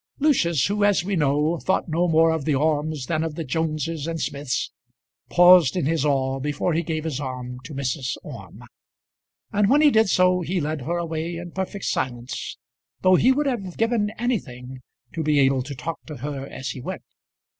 Lucius, who as we know thought no more of the Ormes than of the Joneses and Smiths, paused in his awe before he gave his arm to Mrs. Orme; and when he did so he led her away in perfect silence, though he would have given anything to be able to talk to her as he went.